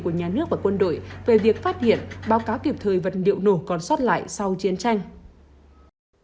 của nhà nước và quân đội về việc phát hiện báo cáo kịp thời vật liệu nổ còn sót lại sau chiến tranh